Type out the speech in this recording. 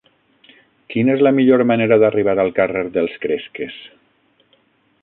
Quina és la millor manera d'arribar al carrer dels Cresques?